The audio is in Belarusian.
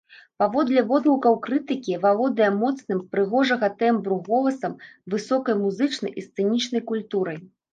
Паводле водгукаў крытыкі, валодае моцным, прыгожага тэмбру голасам, высокай музычнай і сцэнічнай культурай.